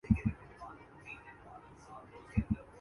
ایسے لوگ جو کم نظری کے حامل